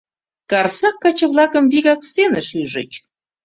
Карсак каче-влакым вигак сценыш ӱжыч.